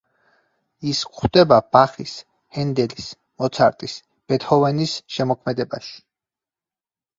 ის გვხვდება ბახის, ჰენდელის, მოცარტის, ბეთჰოვენის შემოქმედებაში.